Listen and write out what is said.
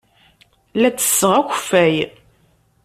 La ttesseɣ akeffay.